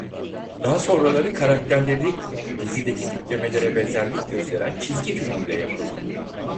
Daha sonraları karakterleri dizideki tiplemelere benzerlik gösteren çizgi film de yapıldı.